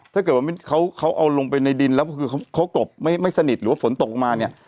ถ้าเกิดว่าเขาเอาลงไปในดินแล้วคือเขากลบไม่สนิทหรือว่าฝนตกลงมาเนี่ย